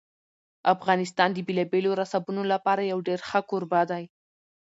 افغانستان د بېلابېلو رسوبونو لپاره یو ډېر ښه کوربه دی.